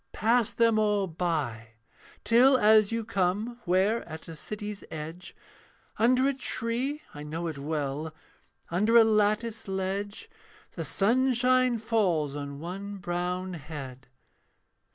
'Pass them all by: till, as you come Where, at a city's edge, Under a tree I know it well Under a lattice ledge, 'The sunshine falls on one brown head.